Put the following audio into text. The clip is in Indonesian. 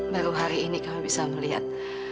baru hari ini kamu bisa melihat